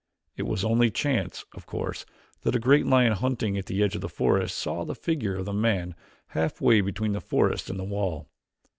It was only chance, of course, that a great lion hunting at the edge of the forest saw the figure of the man halfway between the forest and the wall.